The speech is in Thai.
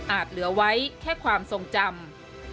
เหลือไว้แค่ความทรงจำ